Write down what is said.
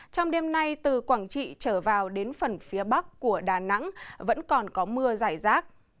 trong đêm nay từ quảng trị trở vào đến phần phía bắc của đà nẵng vẫn còn có mưa dài rác